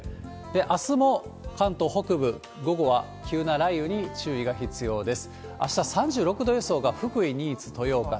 あすも関東北部、午後は急な雷雨に注意が必要です。